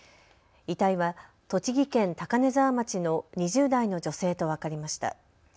遺体は栃木県高根沢町の２０代の女性と分かりました。